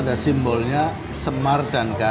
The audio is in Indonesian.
tetapi kalau nenek bagian dewa